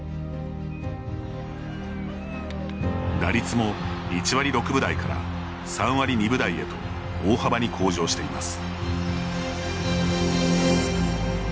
打率も１割６分台から３割２分台へと大幅に向上しています。